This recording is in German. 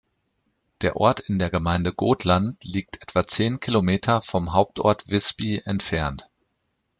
Der Ort in der Gemeinde Gotland liegt etwa zehn Kilometer vom Hauptort Visby entfernt.